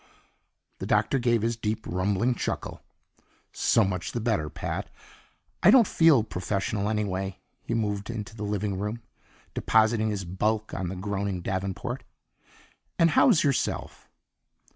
The Doctor gave his deep, rumbling chuckle. "So much the better, Pat. I don't feel professional anyway." He moved into the living room, depositing his bulk on a groaning davenport. "And how's yourself?"